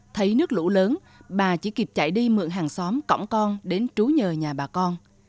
thấy nước lũ lớn bà chỉ kịp chạy đi mượn hàng xóm cổng con đến trú nhờ nhà bà con